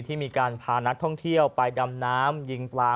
ที่มีการพานักท่องเที่ยวไปดำน้ำยิงปลา